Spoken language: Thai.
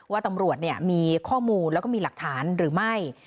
ว่าตำรวจมีข้อมูลแล้วก็มีหลักฐานหรือไม่